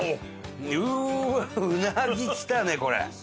うっわうなぎきたねこれ。